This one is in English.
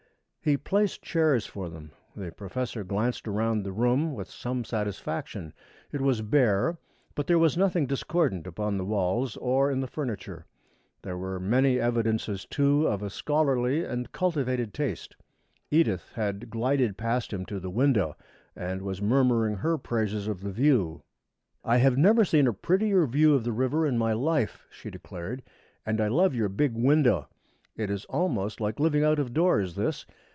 He placed chairs for them. The professor glanced around the room with some satisfaction. It was bare, but there was nothing discordant upon the walls or in the furniture. There were many evidences, too, of a scholarly and cultivated taste. Edith had glided past him to the window and was murmuring her praises of the view. "I have never seen a prettier view of the river in my life," she declared, "and I love your big window. It is almost like living out of doors, this.